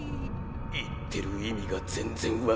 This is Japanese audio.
言ってる意味が全然分かんねえ。